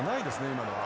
今のは。